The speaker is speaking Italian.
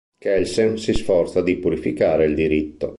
Kelsen si sforza di "purificare" il diritto.